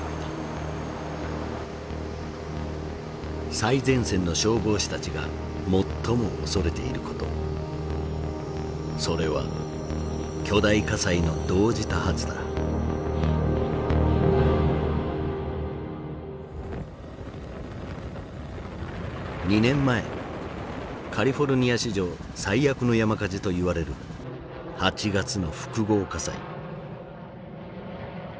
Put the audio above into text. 最前線の消防士たちが最も恐れていることそれは２年前カリフォルニア史上最悪の山火事といわれる８月の複合火災。